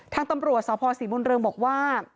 ทางตำรวจสพศรีมนเริงบอกว่า